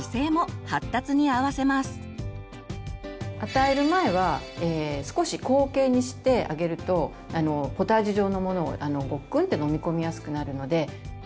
与える前は少し後傾にしてあげるとポタージュ状のものをごっくんって飲み込みやすくなるので。